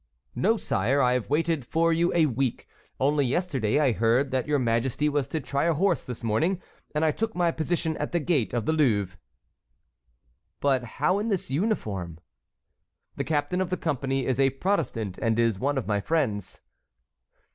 "No, sire, I have waited for you a week; only yesterday I heard that your majesty was to try a horse this morning, and I took my position at the gate of the Louvre." "But how in this uniform?" "The captain of the company is a Protestant and is one of my friends."